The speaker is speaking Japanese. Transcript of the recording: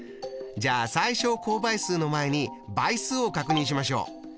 じゃあ最小公倍数の前に倍数を確認しましょう。